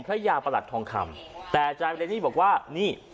พระยาประหลัดทองคำแต่อาจารย์เรนนี่บอกว่านี่